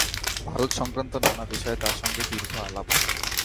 ভারতসংক্রান্ত নানা বিষয়ে তাঁর সঙ্গে দীর্ঘ আলাপ হল।